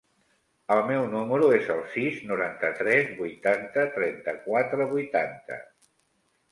El meu número es el sis, noranta-tres, vuitanta, trenta-quatre, vuitanta.